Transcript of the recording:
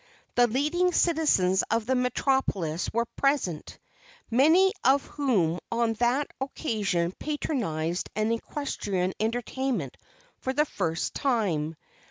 The leading citizens of the metropolis were present, many of whom on that occasion patronized an equestrian entertainment for the first time.